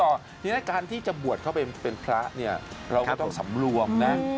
อันนี้ในการที่จะบวชเขาไปเป็นพระเราก็ต้องสำรวมนะ